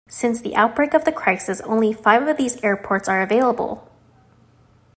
Since the outbreak of the crisis, only five of these airports are available.